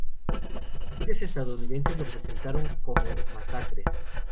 Los medios estadounidenses los presentaron todos como masacres.